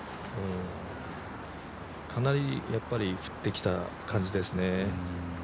かなり降ってきた感じですね。